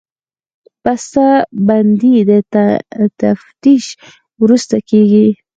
بسته بندي د تفتیش وروسته کېږي.